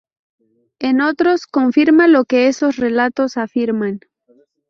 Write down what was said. En otros, confirma lo que esos relatos afirman.